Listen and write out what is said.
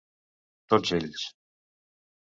Tots ells!